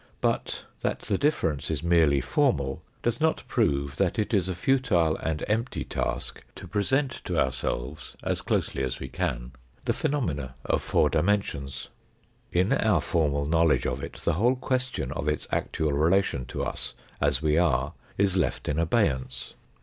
But that the difference is merely formal does not prove that it is a futile and empty task, to present to ourselves as closely as we can the phenomena of four dimensions. In our formal APPENDIX H 251 knowledge of it, the whole question of its actual relation to us, as we are, is left in abeyance.